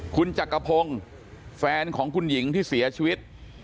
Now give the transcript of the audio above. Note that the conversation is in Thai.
คุณจักรพงศ์แฟนของคุณหญิงที่เสียชีวิต